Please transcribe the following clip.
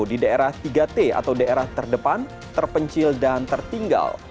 di daerah tiga t atau daerah terdepan terpencil dan tertinggal